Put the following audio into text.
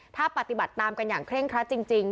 ถ้าปฏิบัติตามกันอย่างเคร่งครัดจริง